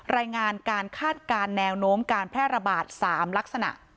รายงานการคาดการณ์แนวโน้มการแพร่ระบาด๓ลักษณะ